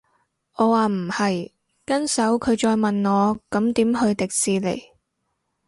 我話唔係，跟手佢再問我咁點去迪士尼